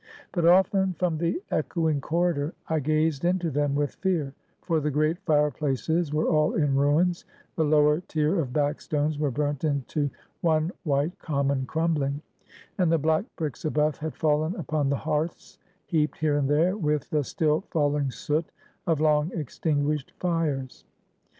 But often, from the echoing corridor, I gazed into them with fear; for the great fire places were all in ruins; the lower tier of back stones were burnt into one white, common crumbling; and the black bricks above had fallen upon the hearths, heaped here and there with the still falling soot of long extinguished fires.